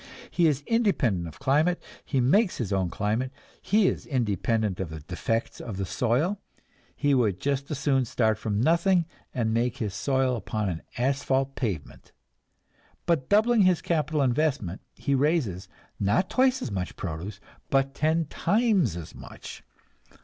He is independent of climate, he makes his own climate; he is independent of the defects of the soil, he would just as soon start from nothing and make his soil upon an asphalt pavement. By doubling his capital investment he raises, not twice as much produce, but ten times as much.